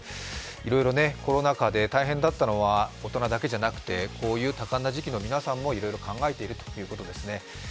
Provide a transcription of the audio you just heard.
いろいろコロナ禍で大変だったのは大人だけじゃなくてこういう多感な時期の皆さんもいろいろ考えているということですね。